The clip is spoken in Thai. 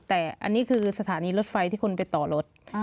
แต่อันนี้คือสถานีรถไฟที่คุณไปต่อรถ